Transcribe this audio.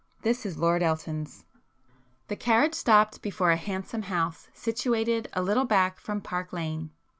This is Lord Elton's." The carriage stopped before a handsome house situated a little back from Park Lane.